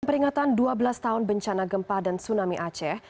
peringatan dua belas tahun bencana gempa dan tsunami aceh